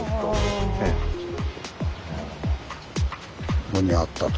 ここにあったと。